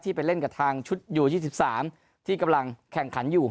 ที่ไปเล่นกับทางชุดอยู่ยี่สิบสามที่กำลังแข่งขันอยู่